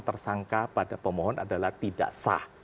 tersangka pada pemohon adalah tidak sah